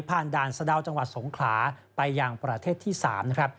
ด่านสะดาวจังหวัดสงขลาไปยังประเทศที่๓นะครับ